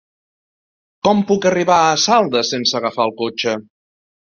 Com puc arribar a Saldes sense agafar el cotxe?